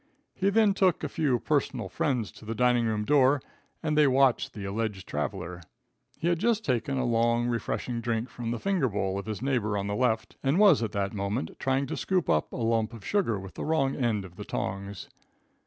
He then took a few personal friends to the dining room door, and they watched the alleged traveler. He had just taken a long, refreshing drink from the finger bowl of his neighbor on the left and was at that moment, trying to scoop up a lump of sugar with the wrong end of the tongs.